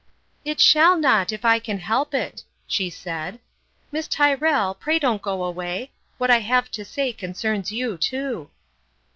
" It shall not, if I can help it," she said. " Miss Tyrrell, pray don't go away ; what I have to say concerns you too."